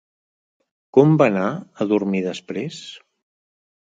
Com va anar a dormir després?